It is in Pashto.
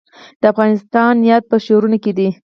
د افغانستان یاد په شعرونو کې دی